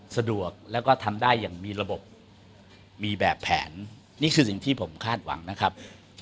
สะดวกแล้วก็ทำได้อย่างมีระบบมีแบบแผนนี่คือสิ่งที่ผมคาดหวังนะครับ